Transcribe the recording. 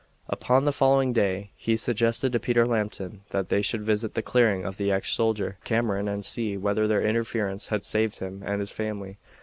Upon the following day he suggested to Peter Lambton that they should visit the clearing of the ex soldier Cameron and see whether their interference had saved him and his family.